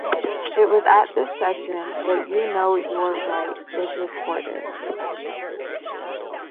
It was at this session that "You Know You're Right" was recorded.